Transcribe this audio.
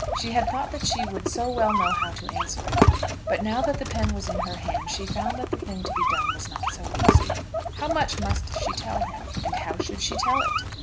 She had thought that she would so well know how to answer it; but, now that the pen was in her hand, she found that the thing to be done was not so easy. How much must she tell him, and how should she tell it?